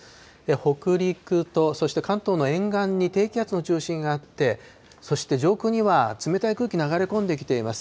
北陸とそして関東の沿岸に低気圧の中心があって、そして上空には冷たい空気流れ込んできています。